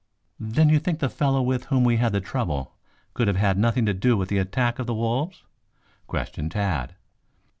"Then you think the fellow with whom we had the trouble could have had nothing to do with the attack of the wolves?" questioned Tad.